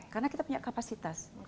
karena kita punya kapasitas